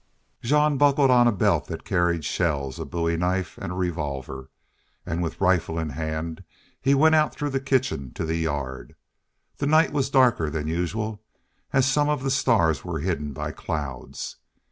Jean buckled on a belt that carried shells, a bowie knife, and revolver, and with rifle in hand he went out through the kitchen to the yard. The night was darker than usual, as some of the stars were hidden by clouds.